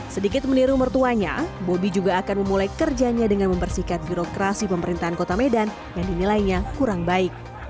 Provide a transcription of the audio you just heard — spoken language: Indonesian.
sedikit meniru mertuanya bobi juga akan memulai kerjanya dengan membersihkan birokrasi pemerintahan kota medan yang dinilainya kurang baik